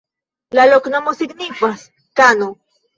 La loknomo signifas: kano.